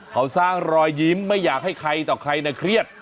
เขาสร้างรอยยิ้มไม่อยากให้ใครต่อใครนะเครียด